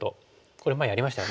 これ前やりましたよね。